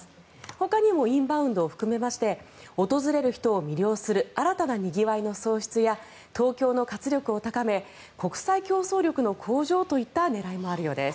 ほかにもインバウンドを含めまして訪れる人を魅了する新たなにぎわいの創出や東京の活力を高め国際競争力の向上といった狙いもあるようです。